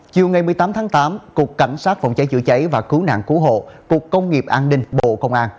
chiều ngày một mươi tám tháng tám cục cảnh sát phòng cháy chữa cháy và cứu nạn cứu hộ cục công nghiệp an ninh bộ công an